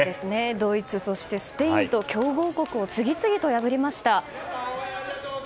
ドイツ、スペインと強豪国を次々と破りました。